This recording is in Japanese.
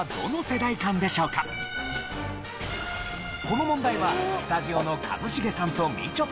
この問題はスタジオの一茂さんとみちょ